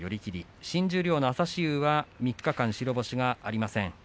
新十両の朝志雄は３日間白星がありません。